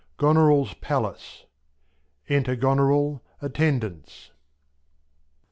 Goneril's Palace. Enter GonerU, Attendants.